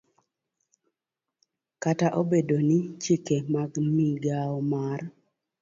Kata obedo ni chike mag migao mar